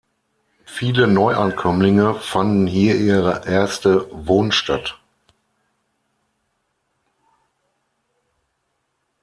Viele Neuankömmlinge fanden hier ihre erste Wohnstatt.